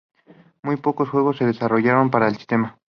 Muy pocos juegos se desarrollaron para el sistema.